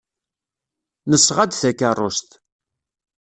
Nesɣa-d takeṛṛust.